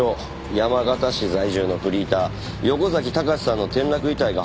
山形市在住のフリーター横崎孝志さんの転落遺体が発見されました。